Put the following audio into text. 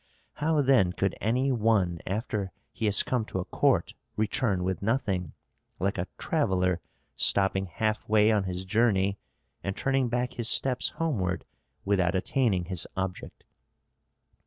How, then, could any one after he has come to a court return with nothing, like a traveller stopping half way on his journey and turning back his steps homeward without attaining his object?"